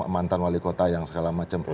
mantan wali kota yang segala macam